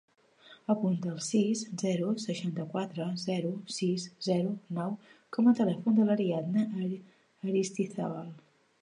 Apunta el sis, zero, seixanta-quatre, zero, sis, zero, nou com a telèfon de l'Ariadna Aristizabal.